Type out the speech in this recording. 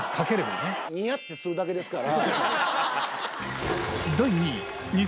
ニヤってするだけですから。